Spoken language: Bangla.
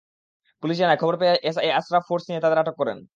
পুলিশ জানায়, খবর পেয়ে এসআই আশরাফ ফোর্স নিয়ে তাঁদের আটক করেন।